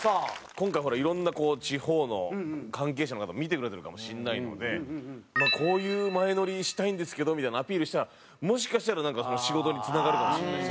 今回いろんな地方の関係者の方も見てくれてるかもしれないのでこういう前乗りしたいんですけどみたいなのをアピールしたらもしかしたらなんか仕事につながるかもしれないので。